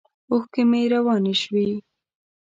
اوښکې مې روانې شوې.